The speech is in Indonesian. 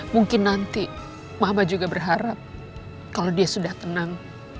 mungkin nanti mama juga berharap kalau dia sudah tenang